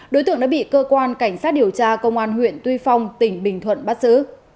đối tượng đã bị cơ quan cảnh sát điều tra công an huyện tuy phong tỉnh bình thuận bắt giữ